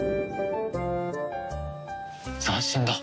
斬新だ。